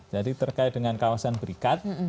jadi terkait dengan kawasan berikat